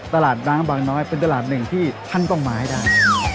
ร้านร้างบางน้อยเป็นตลาดหนึ่งที่ท่านต้องมาให้ได้